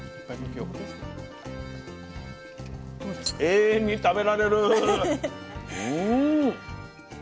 永遠に食べられる。